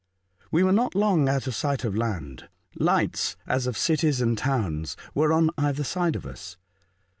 We were not long out of sight of land. Lights, as of cities and towns, were on either side of us.